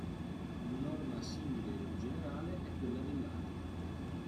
Una norma simile e più generale è quella dell'art.